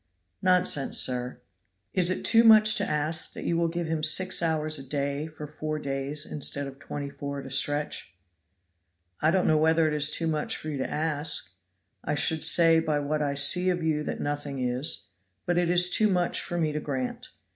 "Nonsense, sir." "Is it too much to ask that you will give him six hours a day for four days instead of twenty four at a stretch?" "I don't know whether it is too much for you to ask. I should say by what I see of you that nothing is; but it is too much for me to grant.